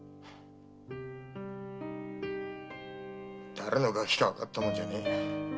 誰のガキかわかったもんじゃねえや。